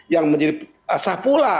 yang menjadi sah pula